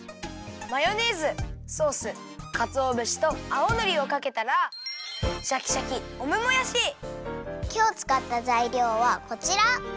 マヨネーズソースかつおぶしと青のりをかけたらシャキシャキきょうつかったざいりょうはこちら。